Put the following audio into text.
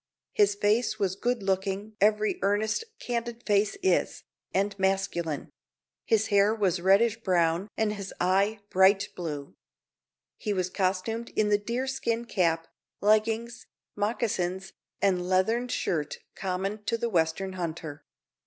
His face was good looking (every earnest, candid face is) and masculine; his hair was reddish brown and his eye bright blue. He was costumed in the deerskin cap, leggings, moccasins, and leathern shirt common to the western hunter.